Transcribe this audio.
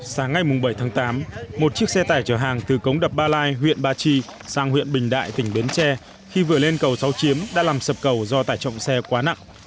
sáng ngày bảy tháng tám một chiếc xe tải chở hàng từ cống đập ba lai huyện ba chi sang huyện bình đại tỉnh bến tre khi vừa lên cầu sáu chiếm đã làm sập cầu do tải trọng xe quá nặng